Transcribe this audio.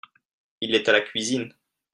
Il est à la cuisine.